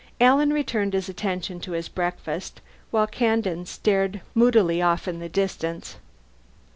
Alan returned his attention to his breakfast, while Kandin stared moodily off into the distance.